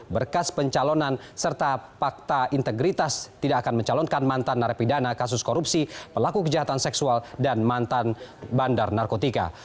berkas pencalonan serta fakta integritas tidak akan mencalonkan mantan narapidana kasus korupsi pelaku kejahatan seksual dan mantan bandar narkotika